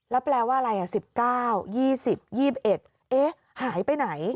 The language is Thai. แล้วแปลว่าอะไร๑๙๒๐๒๑เอ๊ะหายไปไหน